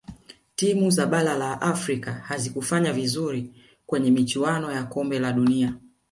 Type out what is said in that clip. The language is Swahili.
timu za bara la afrika hazikufanya vizuri kwenye michuano ya kombe la dunia